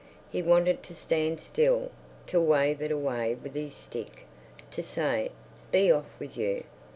He wanted to stand still, to wave it away with his stick, to say, "Be off with you!"